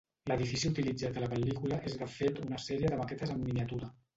L'edifici utilitzat a la pel·lícula és de fet una sèrie de maquetes en miniatura.